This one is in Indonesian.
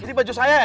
ini baju saya